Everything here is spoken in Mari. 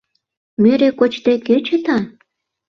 Мӧрӧ кочде кӧ чыта?